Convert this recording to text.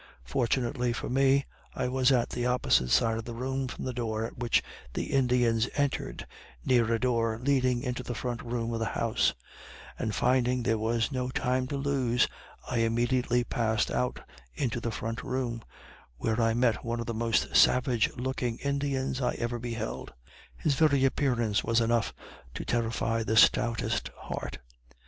Fortunately for me, I was at the opposite side of the room from the door at which the Indians entered, near a door leading into the front room of the house; and finding there was no time to lose, I immediately passed out into the front room, where I met one of the most savage looking Indians I ever beheld. His very appearance was enough to terrify the stoutest heart.